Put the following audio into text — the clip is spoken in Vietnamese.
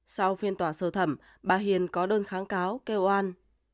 sau phiên tòa sơ thẩm bà hiền có đơn kháng cáo kêu an